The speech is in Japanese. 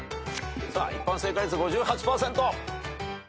さあ一般正解率５８％。